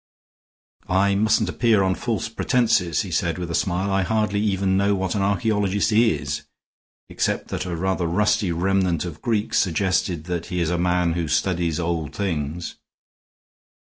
"I mustn't appear on false pretences," he said, with a smile. "I hardly even know what an archaeologist is, except that a rather rusty remnant of Greek suggests that he is a man who studies old things."